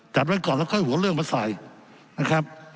จัดอะไรก่อนแล้วก็ให้หัวเรื่องมาใส่นะครับ